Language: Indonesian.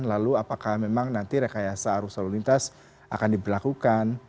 lalu apakah memang nanti rekayasa arus lalu lintas akan diberlakukan